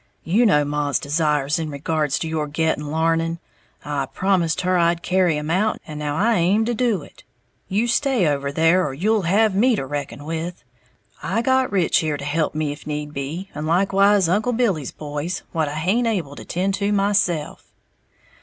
You know maw's desires in regards to your getting l'arning. I promised her I'd carry 'em out, and now I aim to do it. You stay over there, or you'll have me to reckon with. I got Rich here to help me if need be, and likewise Uncle Billy's boys, what I haint able to tend to myself."